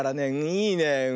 いいね。